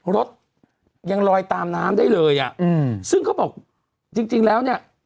รถยังลอยตามน้ำได้เลยซึ่งเขาบอกจริงแล้วเนี่ย